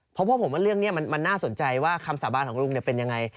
เพราะพ่อผมว่าเรื่องนี้มันน่าสนใจว่าคำสาบานของลุงเป็นยังไง